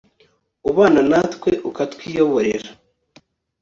ubana natwe ukatwiyoborera